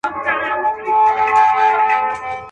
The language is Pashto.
زوی له پلار څخه بېزاره ورور له ورور بېله کړي لاره.